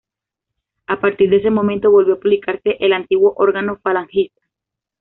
A partir de ese momento volvió a publicarse el antiguo órgano falangista.